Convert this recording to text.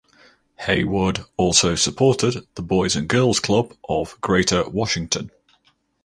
Hayward also supported the Boys and Girls Club of Greater Washington.